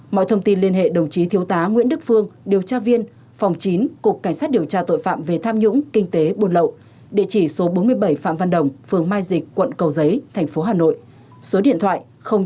mọi thông tin liên hệ đồng chí thiếu tá nguyễn đức phương điều tra viên phòng chín cục cảnh sát điều tra tội phạm về tham nhũng kinh tế bồn lậu địa chỉ số bốn mươi bảy phạm văn đồng phường mai dịch quận cầu giấy tp hà nội số điện thoại chín trăm tám mươi hai hai trăm năm mươi bảy tám trăm tám mươi tám